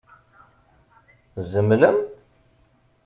Tzemlem?